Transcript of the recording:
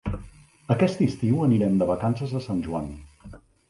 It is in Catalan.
Aquest estiu anirem de vacances a Sant Joan.